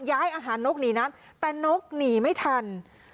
ย้ายอาหารนกหนีน้ำแต่นกหนีไม่ทัน